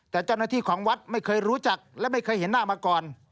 แต่เจ้าหน้าที่ของวัดไม่เคยรู้จักและไม่เคยเห็นหน้ามาก่อน